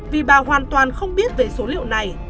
vì bà hoàn toàn không biết về số liệu này